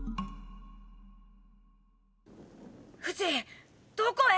フシ？どこへ？